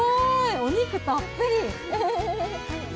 お肉たっぷり。